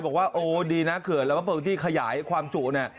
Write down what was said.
บอกว่าโอ้ดีนะเขื่อนลำพะเผิงที่ขยายความจุ